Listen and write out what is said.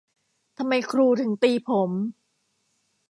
ทำไมครูถึงตีผม